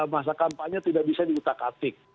masa kampanye tidak bisa diutak atik